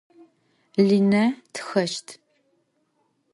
Line txeşt.